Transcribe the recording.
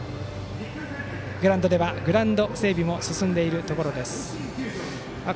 グラウンドではグラウンド整備も進んでいるところです。